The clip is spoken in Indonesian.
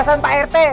jangan pak rt